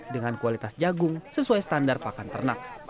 dengan kualitas jagung sesuai standar pakan ternak